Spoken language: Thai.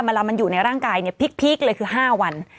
เมื่อมันอยู่ในร่างกายพีคเลยคือ๕วัน